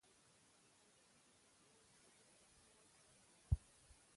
افغانستان کې تنوع د خلکو د خوښې وړ ځای دی.